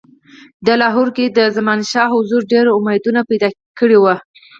د لاهور کې د زمانشاه حضور ډېر امیدونه پیدا کړي وه.